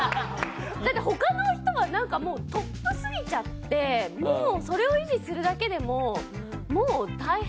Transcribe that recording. だって他の人はもうトップすぎちゃってそれを維持するだけでももう大変。